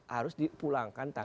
harus dipulangkan tanpa